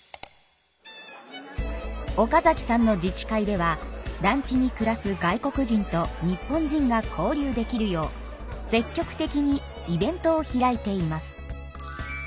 岡さんの自治会では団地に暮らす外国人と日本人が交流できるよう積極的にイベントを開いています。